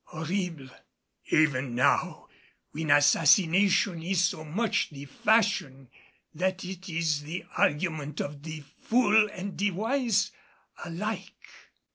"Horrible, even now when assassination is so much the fashion that it is the argument of the fool and the wise alike."